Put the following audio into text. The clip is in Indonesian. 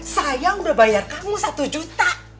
sayang udah bayar kamu satu juta